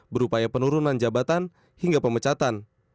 berupaya penurunan jabatan hingga pemecatan